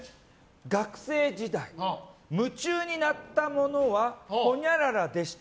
学生時代、夢中になったものはほにゃららでした。